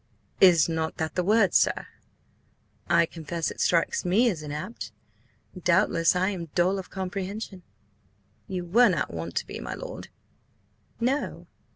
"Is not that the word, sir?" "I confess it strikes me as inapt. Doubtless I am dull of comprehension." "You were not wont to be, my lord." "No?